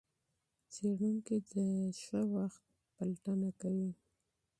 څېړونکي د مناسب وخت پلټنه کوي.